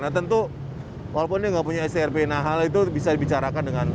nah tentu walaupun dia nggak punya strp nah hal itu bisa dibicarakan dengan